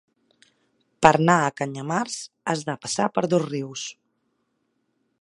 Per anar a Canyamars has de passar per Dosrius.